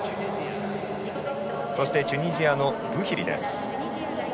そしてチュニジアのブヒリ。